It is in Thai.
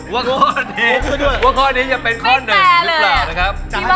ว่าข้อนี้ว่าข้อนี้จะเป็นข้อนึกหรือเปล่า